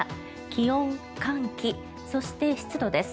気温、寒気、そして湿度です。